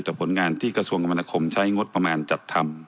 แต่ผลงานที่กระทรวงกรรมนาคมใช้งบประมาณจัดทำ